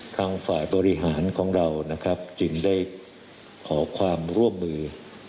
ทางฝ่ายบริหารของเรานะครับจึงได้ขอความร่วมมือ